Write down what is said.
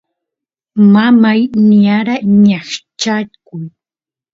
mamay niyara ñaqchakuy